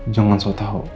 jangan sok tau